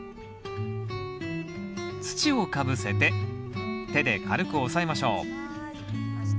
土をかぶせて手で軽く押さえましょう。